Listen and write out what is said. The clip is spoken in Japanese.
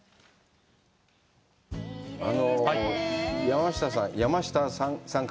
山下さん、山下さん